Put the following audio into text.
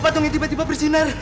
patungnya tiba tiba bersinar